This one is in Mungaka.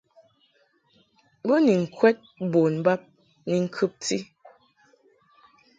Bo ni ŋkwɛd bon bab ni ŋkɨbti.